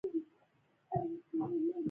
زلمی خان: موږ به یې راوړو، الډو، را پاڅه.